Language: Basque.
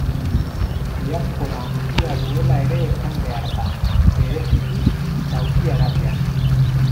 Diaspora handia duela ere esan behar da, bereziki Saudi Arabian.